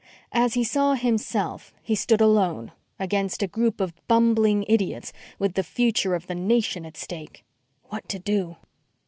As he saw himself, he stood alone, against a group of bumbling idiots, with the future of the nation at stake. What to do?